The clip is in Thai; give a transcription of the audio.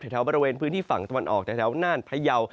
แถวบริเวณพื้นที่ฝั่งตะวันออกจากแถวน่านพยาว